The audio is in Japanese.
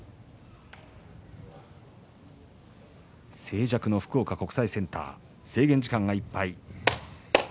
静寂の福岡国際センター制限時間いっぱい。